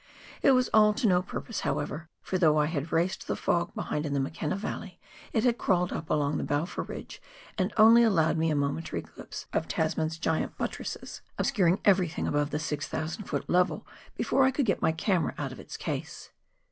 It was all to no purpose, however, for though I had raced the fog behind in the McKenna valley, it had crawled up along the Balfour Range, and only allowed me a momentary glimpse of Tasman's giant buttresses, obscuring everything above the 6,000 ft. level before I could get my camera out of its case.